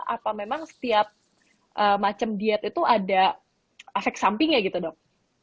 apa memang setiap macam diet itu ada efek sampingnya gitu dok